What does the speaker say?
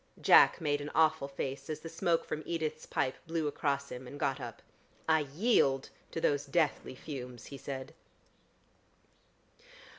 Jack made an awful face as the smoke from Edith's pipe blew across him, and got up. "I yield to those deathly fumes," he said.